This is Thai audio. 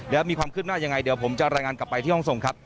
แล้วมีความคืบหน้ายังไงเดี๋ยวผมจะรายงานกลับไปที่ห้องทรงครับ